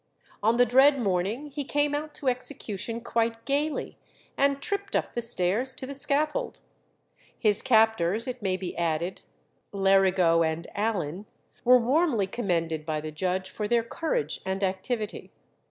On the dread morning he came out to execution quite gaily, and tripped up the stairs to the scaffold. His captors, it may be added (Lerigo and Allen), were warmly commended by the judge for their courage and activity.